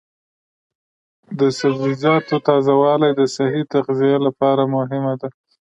د سبزیجاتو تازه والي د صحي تغذیې لپاره مهمه ده.